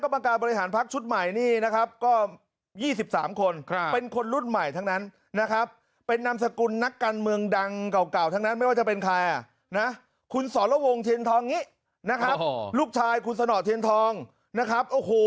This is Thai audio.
มาเพื่อไทยโอ้โห